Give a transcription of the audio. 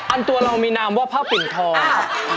อันตัวเรามีนามว่าพระปินทอง